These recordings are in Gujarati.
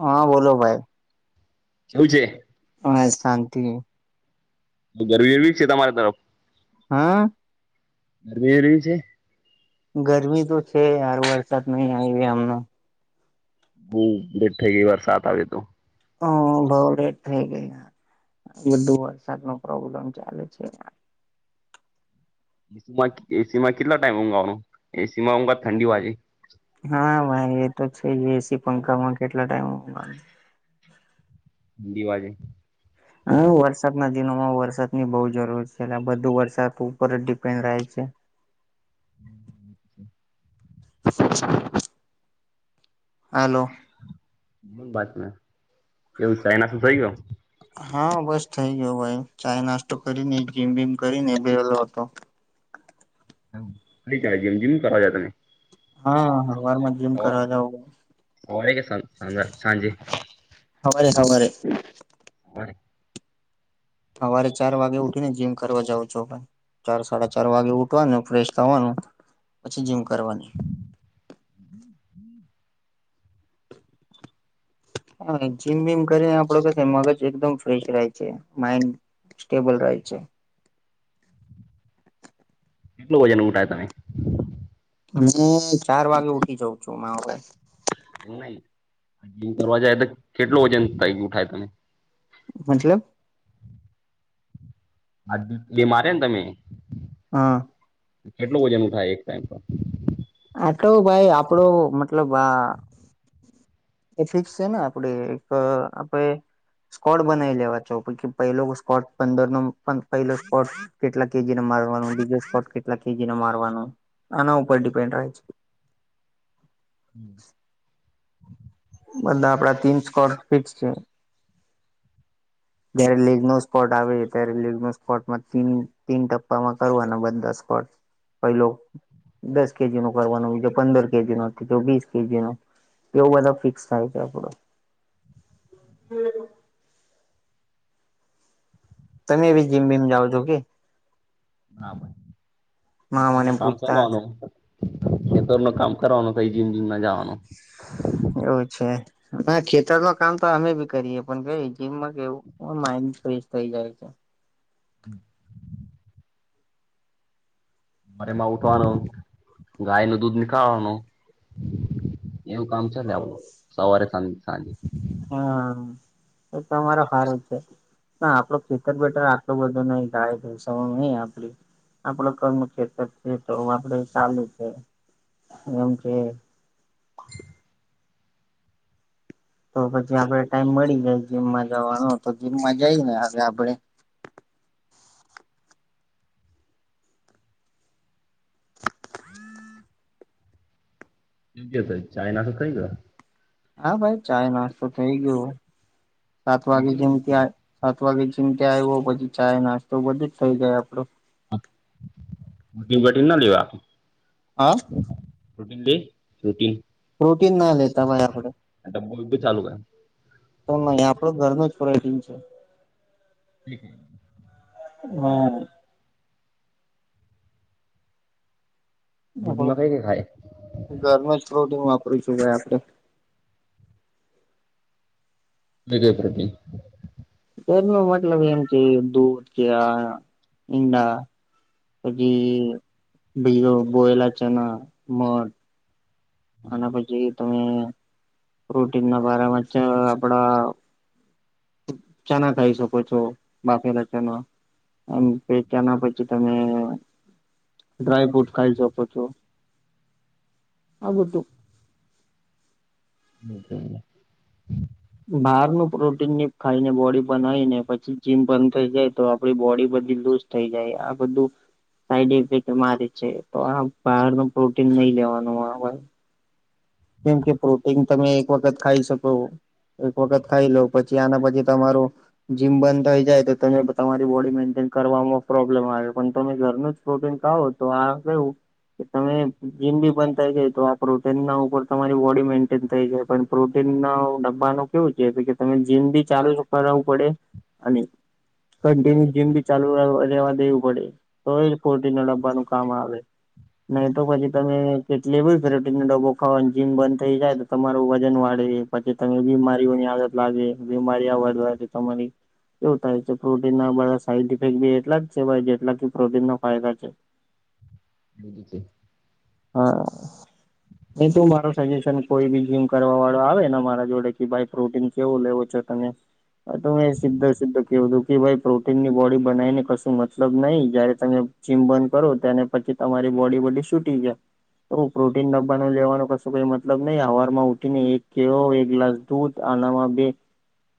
હા બોલો ભાઈ કેવું છે હ શાંતિ ગરવી એવી છે તમારા તરફ હા [unintelligible] છે. ગરમી તો છે યાર વરસાદ નહી આવીયો આમનો બું બેટ થઈ ગઈ વારસાદ આવે તો હ બઉ લેટ થઇ ગયા બધો વરસાદનો પ્રોબ્લેમ ચાલે છે. એસીમાં એસીમાં કેટલા ટાઈમ ઉગવાનો એસીમાં અમુક વાર ઠંડી વાગે હા ભાઈ એ તો છે એસી પંખામાં કેટલા ટાઈમ દીવાજે હ વરસાદમાં જ વરસાદની બહુ જરૂર છે એટલે બધું વરસાદ ઉપર જ ડિપેન્ડ રેય છે. [inaudible] [inaudible] હલો કેવું ચાઈના શું થઈ ગયું. હા બસ થઈ ગયો ભાઈ ચાય નાસ્તો કરીને જીમ ભીમ કરીને બેલો હતો. ખાલી ચલે જીમ જીમ કરવા જાવ તમે હા હવારમા જીમ કરાવા જાવ [inaudible] સવારે સવારે સવારે સવારે ચાર વાગે ઉઠીને જીમ કરવા જાાવ છો ભાઈ ચાર સાડા ચાર વાગે ઉઠવાનું ફ્રેશ થવાનું પછી જીમ કરવાનું [inaudible] [inaudible] હા જીમ વીમ કરીને આપડો કઈક મગજ એકદમ ફ્રેશ રહે છે માઈન્ડ સ્ટેબલ રાહે છે. કેટલું વજન ઉટાય તમે હું ચાર વાગે ઉઠી જઉં છું માવ ભાઈ એવું નહી કરવા જાય તો કેટલું વજન થાય ઉઠાય તમે મતલબ હ એ મારે ને તમે હા કેટલું વજન ઉઠાય એક ટાઈમ પર આટલો ભાઈ આપડો મતલબ આ એફિક્સ છે ને આપડ એક આપણે સ્કોડ બનાવી લેવા છો પછી પેલો સ્કોડ પંદર નો પણ પલો સ્કોડ કેટલા કેજી નો મારવાનું બીજો સ્કોટ કેટલા કેજીનો મારવાનો આના ઉપર ડીપેન્ડ બધા આપડા તીન સ્ક્વાર ફીકસ છે. જયારે લેગનો સ્પોટ આવે ત્યારે લેગનો સ્પોટમાં તીન ટપ્પામાં કરવાના બંદસ સપોટ પેલો દસ કેજીનો કરવાનું બીજ પંદર કેજી નો તો વીસ કેજીનો એવું બધા ફિક્સ થાય છે આપડું તમે એ ભી જીમ બીમ જાઓ છો કે બરાબર એ મા તમને મને કામ પૂછતા કરવાનું કામ કરવાનું કઈ જીમ બીમ મા જવાનું એવું છે ના ખેતરમાં કામ તો અમે બી કરીએે પણ ક જીમમાં કેવું. ફેશ થઇ જાય છે. હમ. રેમાં ઉઠવાનો ગાય ન દૂધ નીકાળવાનો. એવું કામ ચાલે આપડ સવારે સા સાંજે. હા એ તમારો હાર જ છે. ના આપડું ખેતર બેટર આટલો બધો નહી થાય ઘ નહી આપડી. આપડ કર્મ ખેતર છે તોું આપડે ચાલુ છે. ગમ છે. [inaudible] તો પછી આપડ ટાઈમ મળી જાય જીમમાં જવાનો તો જીમમાં જઈ ને હવે આપડે. [inaudible] ચાય નાસ થઈ ગ. હા ભાઈ ચાાય નાસ્તો થઇ ગયો સાત વાગે જેમતી સાત વાગે જેમ. આવ્યો પછી ચાય નાસ્તો બધું જ થઈ જાય આપડું ગટીને ના લેવા આપ. હા. પ્રોટીન દે પ્રોટીન. પ્રોટીન ના લેતા મારાડે. ડબ્બો બીબ્બો ચાલુ. તો નહી આપડો ઘરનું જ પ્રોટીન છે. લક. હમ. પ્રોટીનમાં કઈ કઈ ખાય ઘરમાં થો. શુંાઈ આપડણે. વિજય પ્રભ. ઘર ન મતલબ એમ કે દૂધ કે ઈંડા. પછી બ બોયલા ચના મઢ. અને પછી તમે રૂટીન ના બમાં આપડા. ચાના ખાઈ શકો છો બાફેલા ચાના. એમ પેક્યા ના પછી તમે. ડ્રાય ફ્રૂટ ખાઈ શકો છો. આબુ તોું. [inaudible] બહાર નું પ્રોટીન ની ખાઈને બોડી બના આવી ને પછી જીમ બંધ થઈ જાય તો આપડી બોડી બધ. થઈ જાય આ બધું. સાઈડ ફેક્ટ મારે છે તો આ બહાર ન પ્રોટીન નહી લેવાનું આવે. કેમ કે પ્રોટીન તમે એક વખત ખાઈ શકો. એક વખત ખાઈ લો પછી આના પછી તમારું જીમ બંધ થઈ જાય તો તમે તમારી બોડી મેન્ટેન. પ્રોબ્લેમ આવે પણ તમે ઘરનું જ પ્રોટીન ખાવો તો આ કયું. કે તમે જીમ બી બંધ થાય જાય તો આોન ના ઉપર તમારી બોડી મેન્ટેન થઈ જાય પણ પ્રોટીન ડબ્બાનું કેવું છે તમે જીમ બી ચાલુ છો. પડે અને. કન્ટિન્યુ જીમ બી ચાલુ રેવા દેવું પડે તો એ પોટી ડવાનું કામ આવે. નહી તો પછી તમે કેટલી બય ફેરેટી નનો ડબ્બો ખાવા. જીમ બંધ થઈ જાય તો તમારું વજન વાળે પછી તમે બીમારીઓની આદત લાગે બીમારી વધવા. તમારી. એવું થાય છે પ્રોટીન ના બધા સાડઇફેક્ટ એટલા જ છે જેટલા પ્રોટીન ફાયદા છે. બ જીતે. હા. ન તું મારો સજેશન કોઈ બી જીમ કરવા વાળો આવે ને મારા જોડે કે ભાઈ પ્રોટીન કેવું લેવું. તમે. હા તો મેં સીધા સીધો કેવું હતું કે ભાઈ પ્રોટીન ની બોડી બનાવી ને કશું મતલબ નહ જયારે તમે. ચિમબંધ કરો તેને પછી તમારી બોડી બોડી સુૂટી જાય. તો પ્રોટીન નાનું લેવાનો કશું કઈ મતલબ નહ અવાર માં ઉઠી ને એક કેળો એક ગ્લાસ દૂધ. બ આનામા બે.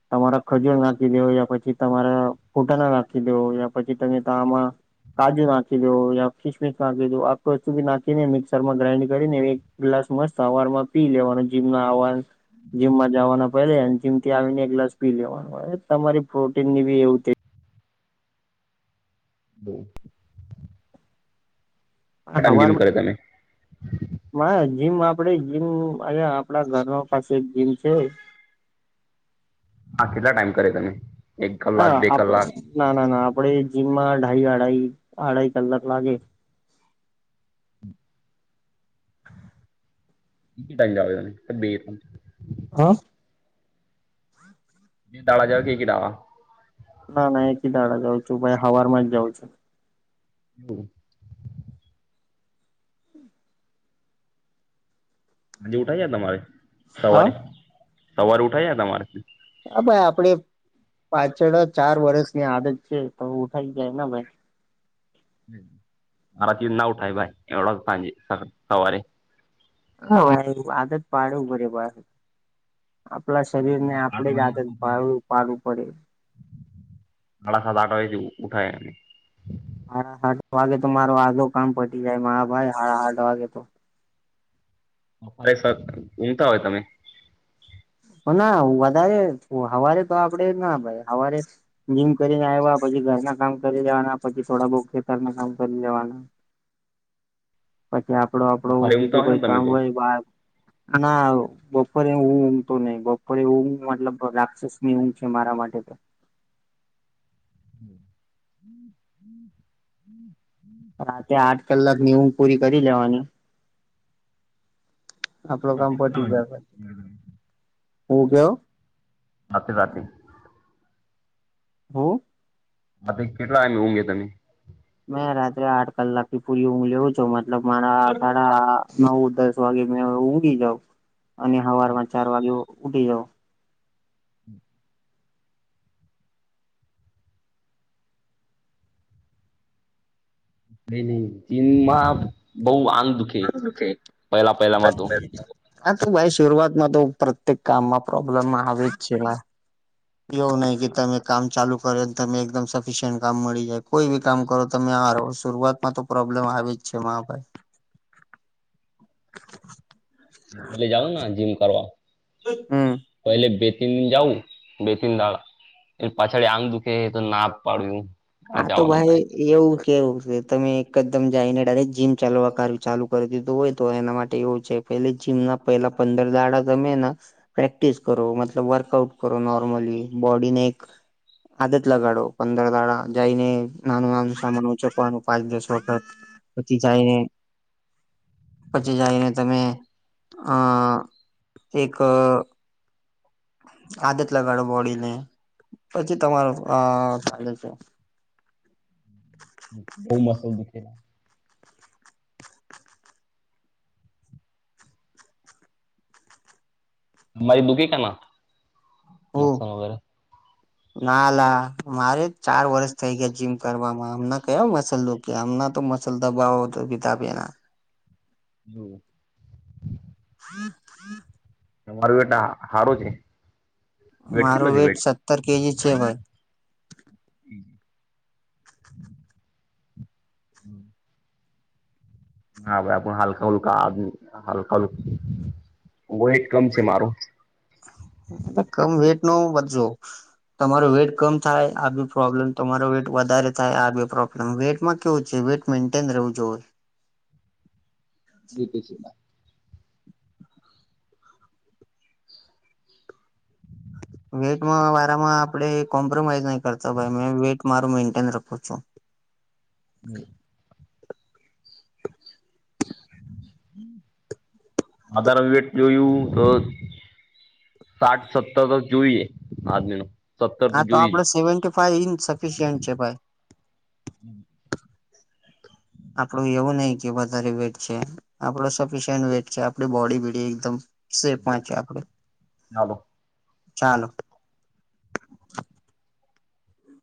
તમારા ખજૂર નાખી દેવ યા પછી તમારા ફૂટાણા નાખી દેવ યા પછી તમે આમાં. કાજુ નાખી દો યા કિશમિશ નાખી દો આપસ્ુંી નાખ. મિક્સરમાં ગ્રાાઈન્ડ કરીને એક ગ્લાસ મસ્ત અવારમાં પી લેવાનો જીમ ન આવાજ. જીમમાં જવાના પહેલે જીમ થી આવીને એક ગ્લાસ પી લેવાનો હો તમારી પ્રોટીન ની બી એવું થ. [inaudible] હટમ જીમ કરો તમે. હવારમાં જીમ આપડે જીમ અહયા આપડા ઘરનો પાસે જીમ છે. હા કેટલા ટાઈમ કરે તમે. એક કલાક હા બે આપ કલાક ના ના ના આપડે. જીમમાં અઢાઈ અઢાઈ અઢાઈ કલાક લાગે. બ ટાઈમ જ ત બે. હા. બે તાળા જવા કે કીડાવા. ના ના એક કી દાડા જઉં છું ભાઈ હવાર માં જ જાઉં છું. હમ. આજ ઉઠાઈ તમારે હા સવારે સવારે ઉઠા તમારે. હ ભાઈ આપડે. પાછળ ચાર વર્ષની આદત છે તો ઉઠાઈ જાય ને ભાઈ. મારાતી ના ઉઠાય ભાઈ એવો સાંજે સવારે. હ એ આદત પાડ ઉભરે. આપણા શરીર ને મારા આઠ આપણે જ વાગે આદત શું થાય ભ પાડવું પડે. સાડા સાડા આઠ વાજથી ઉઠાય એને. સાડા આઠ વાગે તો મારો આજો કામ પટી જાય મા ભાઈ સાડા આઠ વાગે તો. સપરે સર ઊમતા હોય તમે. ના વધારે હવારે તો આપડે ના ભાઈ હવારે જીમ કરીને આવ. પછી ઘરના કામ કરી લેવાના પછી થોડા બઉુ ખેતર ના કામ કરી લેવાના. [inaudible] અચછા. કે આપડો આપડો બપોરે ઊંઘતા બીજું હોય ને કોઈ તમે કામ તો હોય આના બપોરે હ. નહ બપોરે એવુંું મતલબ રાક્ષસની હું છે મારા માટે તો. હમ હમ હમ. રાતે આઠ કલાક ની હું પૂરી કરી લેવાની. આપડ કામ પ ગયા હું કેવ. રાતે રાતે. હ. હ કેટલા એમ ઊઘે તમે. મેં રાત્રે આઠ કલાક થી પૂરી હું લેવું છું મતલબ મારા સાડા નવ દસ વાગે મે. ઉડી જાવ અને હવારમાં ચાર વાગે ઉડી જાવ. નઈ નઈ ચીનમાં બહ આ. દુઃખી ઓકે પહેલા પહેલા માં તો. હા ભાઈ શરૂઆતમાં તો પ્રત્યેક કામમાં પ્રોબ્લેમ આવે જ છે. એવું નહીિ કે તમે કામ ચાલુ કરો તમે એકદમ સફિશિયન્ટ કામ મળી જાય કોઈ બી કામ કરો તમે. નાાર શરૂઆતમાં તો પ્રોબ્લેમ આવી જ છે મા ભાઈ. પલે જઉું જીમ કરવા. હમ પહેલે બે જવું બે તન દાળા એ પાછળ આંગ દુખે તો ના પાડ્યું આ હા તો જવાનો ભાઈ એવું કેવું છે તમે એકદમ જઈને ડાયરેક્ટ જીમ ચાલવા કાર ચાલુ કરી દીધું હોય તો એના માટે એવું છે પે જીમ ના પહેલા પંદર દાડા તમે પ્રેક્ટિસ કરો મતલબ વર્કઆઉટ કરો નોર્મલી બોડીને એક આદત લગાડો પંદર દડા જઈને નાનું નાનું સામાન ઉચકવાનું પાંચ દસ વખત પછી જઈને પછી જઈને તમે આ એક આદત લગાડો બોડીને પછી તમાર આ ચાલે છે બહુ મસલ દુખેલા મારી દુખી ક ના મસ્સ વગેરે ના લ મારે ચાર વરષ થઇ ગયા જીમ કરવા હમ કયો મસલ કે ના તો મસલ દબાવ તો બિતા બેેના હ તમારું એટ હારું છે મારું વેટ સત્તર કેજી છે ભાઈ હમ હમ હા ભાઈ આપ હલકા હુલકા આ હલકા હલકા વેઇટ કમ છે મારું કમ વેટ નો બજો તમારો વેઇટ કમ થાય આ બી પ્રોબ્લેમ તમારો વેઇટ વધારે થાય આ બી પ્રોબ્લેમ વેઇટમાં કેવું છે વેટ મેન્ટેન રહેું જો હ [inaudible] બ પ છે ના વેઇટમાં વારામાં આપડે કોમ્પ્રોમાઈઝ નહી કરતો ભાઈ મે વેટ મારું મેન્ટેન રખું છું [inaudible] [unintelligible] અત્યારે વેટ જોયું તો સાઠ સત્તર તો જોઈએ આદમી ન સત્તર હા તો જોઈ આપડે સેવન્ટી ફાઈવ ઇંચ સફિશિયન્ટ છે ભાઈ આપડું એવું નહીિ કે વધારે વેટ છે આપડ સફિશયન્ટ વેટ છે આપ બોડીીડી એકદમ શે પંચે આપડે નાાલો ચાલો